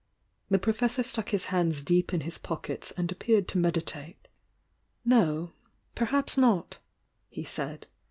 The Professor stuck his hands deep in his pockets and appeared to meditate. "No — perhaps not," he said.